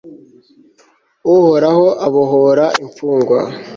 uhoraho abohora imfungwa